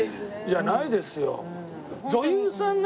いやないですよ。